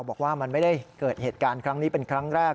บอกว่ามันไม่ได้เกิดเหตุการณ์ครั้งนี้เป็นครั้งแรก